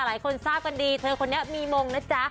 หลายคนทราบกันดีเธอคนนี้มีมงนะจ๊ะ